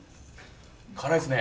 辛いですね。